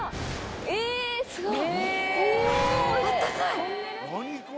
えぇすごい！